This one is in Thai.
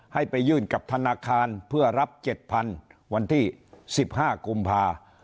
ให้ไปยื่นกับธนาคารเพื่อรับ๗๐๐วันที่๑๕กุมภา